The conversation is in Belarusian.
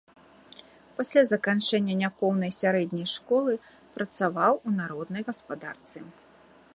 Пасля заканчэння няпоўнай сярэдняй школы працаваў у народнай гаспадарцы.